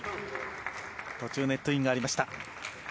途中ネットインがありました。